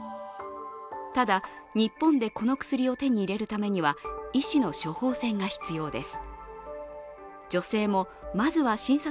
ただ、日本でこの薬を手に入れるためには医師の処方箋が必要です。